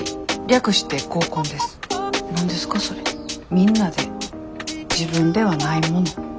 みんなで自分ではないもの